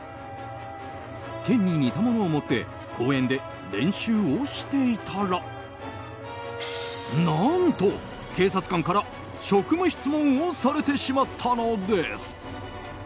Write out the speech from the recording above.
剣に似たものを持って公園で練習をしていたら何と警察官から職務質問をされてしまったのです。